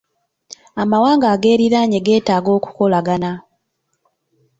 Amawanga ageeriraanye geetaaga okukolagana.